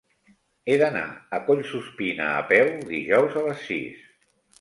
He d'anar a Collsuspina a peu dijous a les sis.